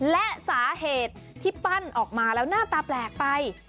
และสาเหตุที่ปั้นออกมาแล้วหน้าตาแปลกไป